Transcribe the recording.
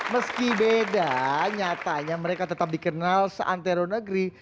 meski beda nyatanya mereka tetap dikenal seanteronegri